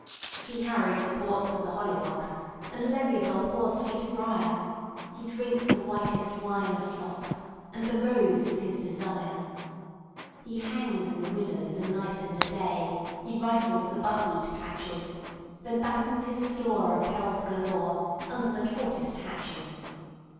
He harries the ports of the Hollyhocks, And levies on poor Sweetbrier; He drinks the whitest wine of Phlox, And the Rose is his desire. He hangs in the Willows a night and a day; He rifles the Buckwheat patches; Then battens his store of pelf galoreUnder the tautest hatches.